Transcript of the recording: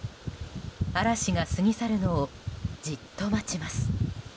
嵐が過ぎ去るのをじっと待ちます。